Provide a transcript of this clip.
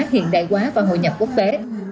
hiện đại hóa và hội nhập quốc tế